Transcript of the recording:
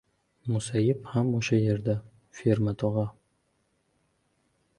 — Musayip ham o‘sha yerda. «Ferma tog‘a».